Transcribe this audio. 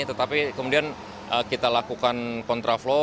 tetapi kemudian kita lakukan kontraflow